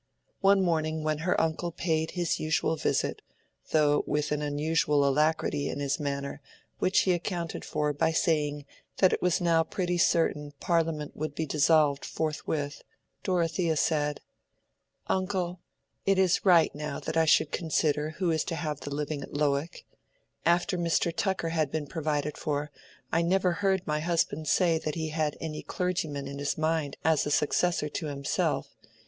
One morning when her uncle paid his usual visit, though with an unusual alacrity in his manner which he accounted for by saying that it was now pretty certain Parliament would be dissolved forthwith, Dorothea said— "Uncle, it is right now that I should consider who is to have the living at Lowick. After Mr. Tucker had been provided for, I never heard my husband say that he had any clergyman in his mind as a successor to himself.